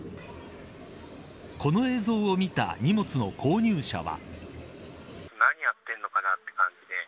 この映像を見た荷物の購入者は。